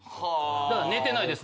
だから寝てないです。